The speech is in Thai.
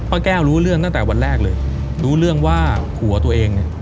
แก้วรู้เรื่องตั้งแต่วันแรกเลยรู้เรื่องว่าผัวตัวเองเนี่ย